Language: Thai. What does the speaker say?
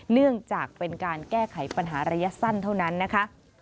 เนื่องจากเป็นการแก้ไขปัญหาระยะสั้นเท่านั้นนะคะ